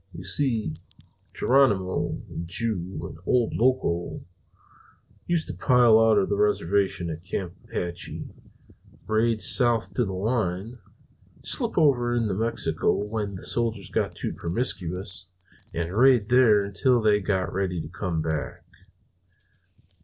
You see, Geronimo, and Ju, and old Loco used to pile out of the reservation at Camp Apache, raid south to the line, slip over into Mexico when the soldiers got too promiscuous, and raid there until they got ready to come back.